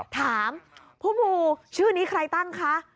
ถามผู้มูชื่อนี้ใครตั้งคะ